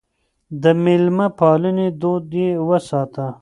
د مېلمه پالنې دود يې وساته.